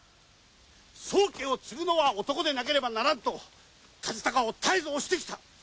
宗家を継ぐのは男でなければ和鷹を絶えず押してきた！